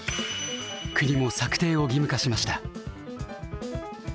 国も策定を義務化しました。